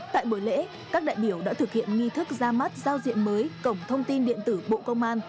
tại buổi lễ các đại biểu đã thực hiện nghi thức ra mắt giao diện mới cổng thông tin điện tử bộ công an